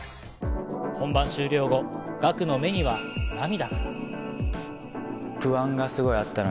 本番終了後、ＧＡＫＵの目には涙。